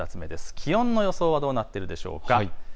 気温の予想はどうなっているでしょうか。